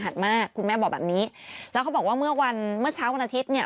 มากคุณแม่บอกแบบนี้แล้วเขาบอกว่าเมื่อวันเมื่อเช้าวันอาทิตย์เนี่ย